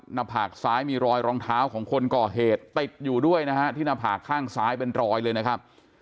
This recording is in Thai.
หน้าผากซ้ายมีรอยรองเท้าของคนก่อเหตุติดอยู่ด้วยนะฮะที่หน้าผากข้างซ้ายเป็นรอยเลยนะครับ